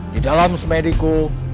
di dalam semediku